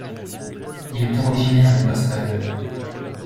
Il est originaire de Boston.